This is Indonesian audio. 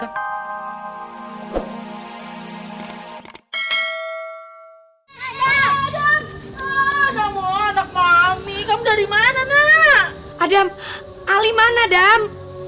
ada mau anak mami kamu dari mana nah adam ali mana adam